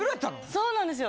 そうなんですよ。